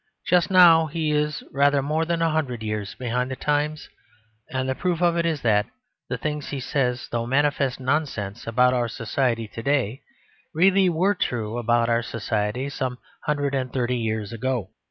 Just now he is rather more than a hundred years behind the times: and the proof of it is that the things he says, though manifest nonsense about our society to day, really were true about our society some hundred and thirty years ago.